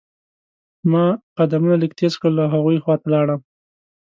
ما قدمونه لږ تیز کړل او هغوی خوا ته لاړم.